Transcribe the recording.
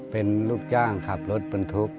เป็นลูกจ้างขับรถบรรทุก